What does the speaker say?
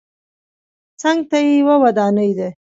څنګ ته یې یوه ودانۍ ده.